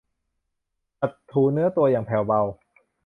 ขัดถูเนื้อตัวอย่างแผ่วเบา